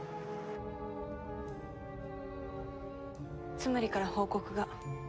ツムリから報告が。